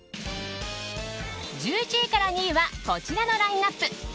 １１位から２位はこちらのラインアップ。